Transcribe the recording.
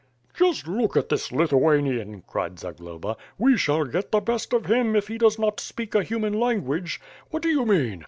"Just look at this Lithuanian," cried Zagloba. "We shall get the best of him if he does not speak a human language. What do you mean?